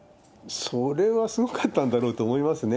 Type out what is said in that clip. それはすごかったんだろうと思いますね。